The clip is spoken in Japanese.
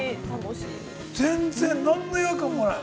◆全然何の違和感もない。